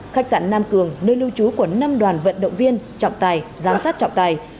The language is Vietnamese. khách sạn nam cường nơi lưu trú của năm đoàn vận động viên trọng tài giám sát trọng tài